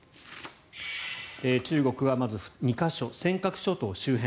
中国はまず２か所尖閣諸島周辺。